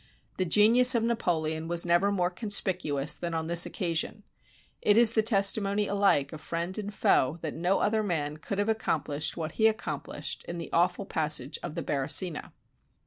The genius of Napoleon was never more conspicuous than on this occasion. It is the testimony alike of friend and foe, that no other man could have accomplished what he accomplished in the awful passage of the Beresina.